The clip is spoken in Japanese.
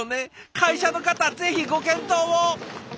会社の方ぜひご検討を。